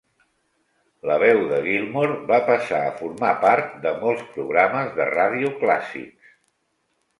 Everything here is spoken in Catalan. La veu de Gilmore va passar a formar part de molts programes de ràdio clàssics.